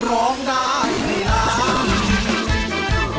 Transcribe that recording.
ร้องได้ให้ล้าน